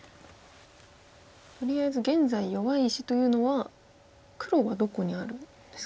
とりあえず現在弱い石というのは黒はどこにあるんですか？